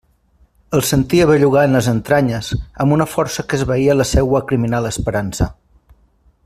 El sentia bellugar en les entranyes amb una força que esvaïa la seua criminal esperança.